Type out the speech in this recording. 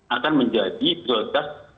akan menjadi prioritas